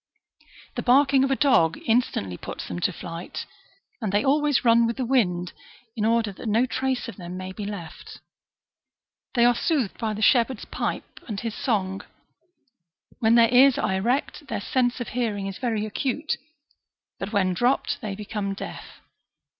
The barking of a dog instantly puts them to flight, and they always run with the wind, in order that no trace of them may be left. They are soothed by the shep herd's pipe and his song;''^ when their ears are erect, their sense of hearing is very acute, but when dropped, they become deaf.